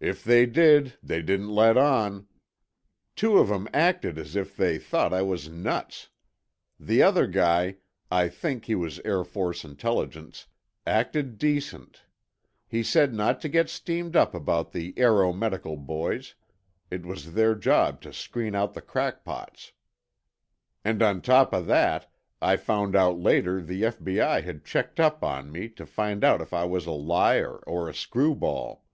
"If they did, they didn't let on. Two of 'em acted as if they thought I was nuts. The other guy I think he was Air Force Intelligence—acted decent. He said not to get steamed up about the Aero Medical boys; it was their job to screen out the crackpots. "And on top of that, I found out later the F.B.I. had checked up on me to find out if I was a liar or a screwball.